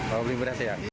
kalau beli beras ya